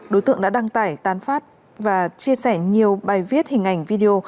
đối tượng đã đăng tải tán phát và chia sẻ nhiều bài viết hình ảnh video